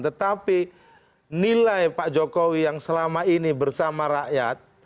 tetapi nilai pak jokowi yang selama ini bersama rakyat